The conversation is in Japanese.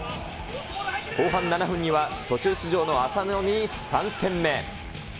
後半７分には途中出場の浅野に３点目。